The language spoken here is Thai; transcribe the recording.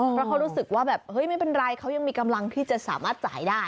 เพราะเขารู้สึกว่าแบบเฮ้ยไม่เป็นไรเขายังมีกำลังที่จะสามารถจ่ายได้